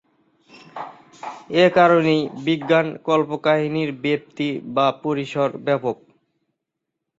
এ কারণেই বিজ্ঞান কল্পকাহিনীর ব্যাপ্তি বা পরিসর ব্যাপক।